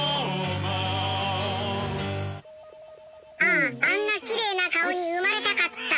あああんなきれいな顔に生まれたかった。